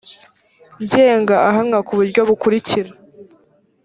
ngenga ahanwa ku buryo bukurikira